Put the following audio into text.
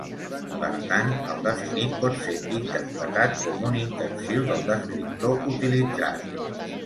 Per tant, el definit pot ser interpretat com un intensiu del descriptor utilitzat.